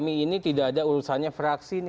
kami ini tidak ada urusannya fraksi